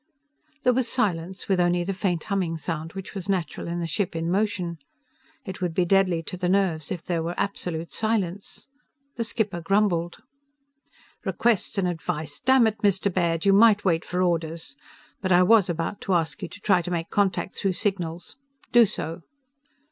There was silence, with only the very faint humming sound which was natural in the ship in motion. It would be deadly to the nerves if there were absolute silence. The skipper grumbled: "_Requests and advice! Dammit! Mr. Baird, you might wait for orders! But I was about to ask you to try to make contact through signals. Do so.